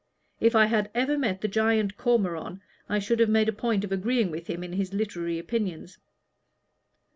If I had ever met the giant Cormoran, I should have made a point of agreeing with him in his literary opinions."